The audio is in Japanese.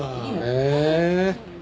へえ。